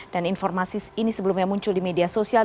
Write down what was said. dan informasi ini sebelumnya muncul di media sosial